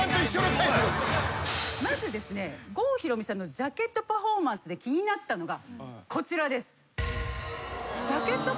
まずですね郷ひろみさんのジャケットパフォーマンスで気になったのがこちらです。